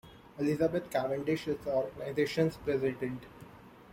Elizabeth Cavendish is the organization's president.